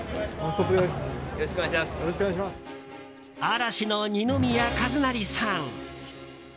嵐の二宮和也さん。